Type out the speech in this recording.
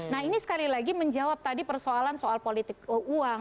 nah ini sekali lagi menjawab tadi persoalan soal politik uang